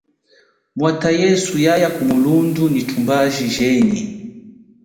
Mwatha yesu yaya kumulundhu nyi tumbaji jenyi.